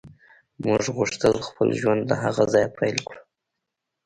موږ غوښتل خپل ژوند له هغه ځایه پیل کړو